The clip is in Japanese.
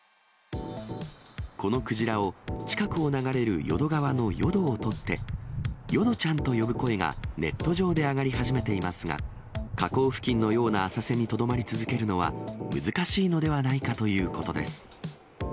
このクジラを近くを流れる淀川の淀を取って、よどちゃんと呼ぶ声がネット上で上がり始めていますが、河口付近のような浅瀬にとどまり続けるのは、難しいのではないかということです。